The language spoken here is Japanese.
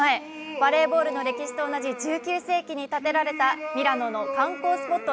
バレーボールの歴史と同じ１９世紀に建てられたミラノの観光スポット